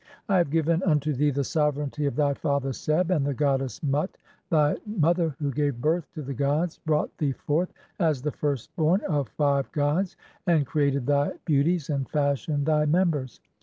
(3o) I have given "unto thee the sovereignty of thy father Seb, and the goddess "Mut, thy mother, who gave birth to the gods, brought thee "forth as the (3i) firstborn of five gods, and created thy beau "ties and fashioned thy members.